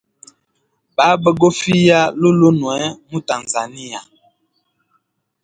Baba gofiya lolulunwe mu tanzania.